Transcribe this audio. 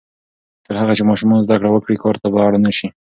تر هغه چې ماشومان زده کړه وکړي، کار ته به اړ نه شي.